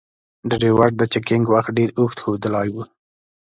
ډریور د چکینګ وخت ډیر اوږد ښودلای و.